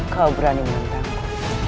kau berani menentangku